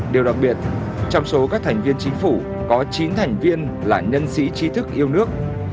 điều đặc biệt trong số các thành viên chính phủ có chín thành viên là nhân sĩ trí thức yêu nước